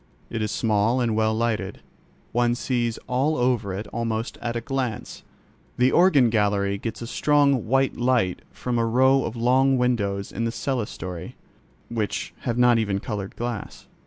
It is small and well lighted; one sees all over it almost at a glance. The organ gallery gets a strong white light from a row of long windows in the clerestory, which have not even coloured glass.